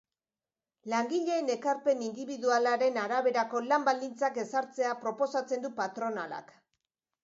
Langileen ekarpen indibidualaren araberako lan-baldintzak ezartzea proposatzen du patronalak.